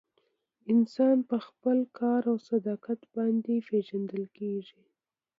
انسان په خپل کار او صداقت باندې پیژندل کیږي.